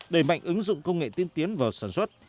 đẩy mạnh ứng dụng công nghệ tiên tiến vào sản xuất